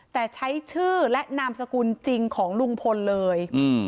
แต่ใช้ชื่อและนามสกุลจริงของลุงพลเลย